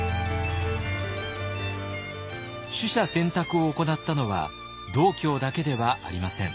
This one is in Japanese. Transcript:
取捨選択を行ったのは道教だけではありません。